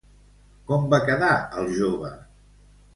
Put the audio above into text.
Com va quedar el jove?